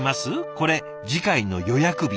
これ次回の予約日。